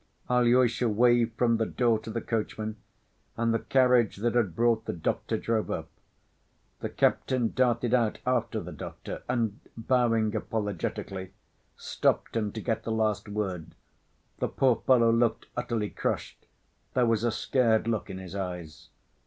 Alyosha waved from the door to the coachman, and the carriage that had brought the doctor drove up. The captain darted out after the doctor, and, bowing apologetically, stopped him to get the last word. The poor fellow looked utterly crushed; there was a scared look in his eyes.